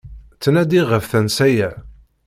Ttnadiɣ ɣef tansa-ya!